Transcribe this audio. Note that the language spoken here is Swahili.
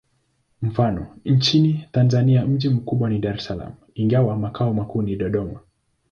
Mfano: nchini Tanzania mji mkubwa ni Dar es Salaam, ingawa makao makuu ni Dodoma.